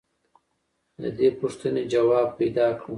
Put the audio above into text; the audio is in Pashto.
د دې پوښتنې ځواب پیدا کړه.